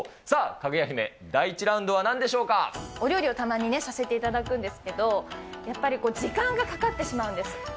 さあ、かぐや姫、第１ラウンドはお料理をたまにさせていただくんですけど、やっぱり時間がかかってしまうんです。